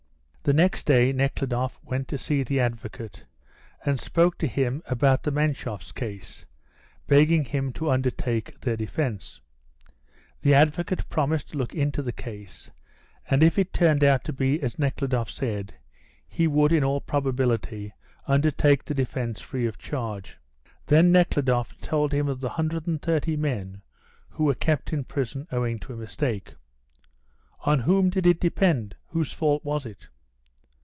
The next day Nekhludoff went to see the advocate, and spoke to him about the Menshoffs' case, begging him to undertake their defence. The advocate promised to look into the case, and if it turned out to be as Nekhludoff said he would in all probability undertake the defence free of charge. Then Nekhludoff told him of the 130 men who were kept in prison owing to a mistake. "On whom did it depend? Whose fault was it?"